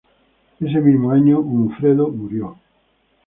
Ese mismo año Hunfredo murió.